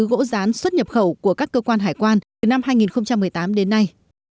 gỗ rán xuất nhập khẩu của các cơ quan hải quan từ năm hai nghìn một mươi tám đến nay